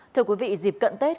thưa quý vị dịp cận tết